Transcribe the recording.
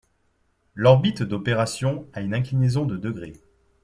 L'orbite d'opération a une inclinaison de degrés.